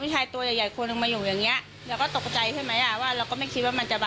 สสสิบ